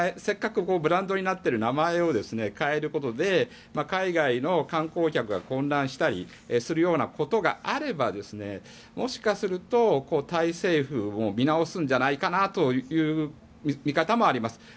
せっかくブランドになってる名前を変えることで海外の観光客が混乱したりするようなことがあればもしかするとタイ政府も見直すんじゃないかという見方もあります。